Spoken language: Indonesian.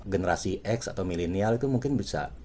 generasi x atau milenial itu mungkin bisa